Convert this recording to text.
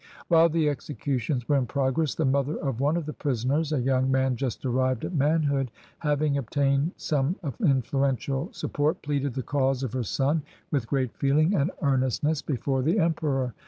While the executions were in progress, the mother of one of the prisoners, a young man just arrived at manhood, having obtained some influential sup port, pleaded the cause of her son with great feeling and earnestness before the Emperor.